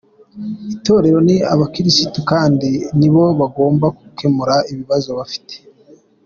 Itorero ni abakirisitu kandi nibo bagomba gukemura ibibazo bafite.